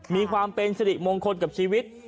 มีความเป็นสิริมงคลกับชีวิต